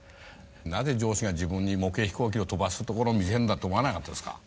なぜ上司が自分に模型飛行機を飛ばすところ見せんだって思わなかったですか？